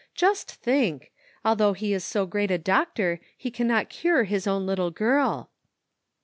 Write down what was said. Just think! although he is so great a doctor, he cannot cure his own little girl.